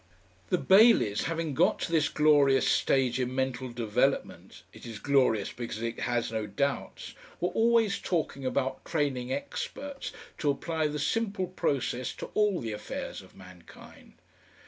The Baileys having got to this glorious stage in mental development it is glorious because it has no doubts were always talking about training "Experts" to apply the same simple process to all the affairs of mankind.